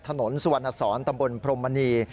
ถนนสวนสอนตำบลพรมณี